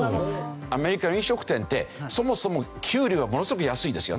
アメリカの飲食店ってそもそも給料がものすごく安いですよね。